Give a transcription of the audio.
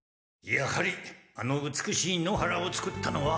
やはりあの美しい野原をつくったのは。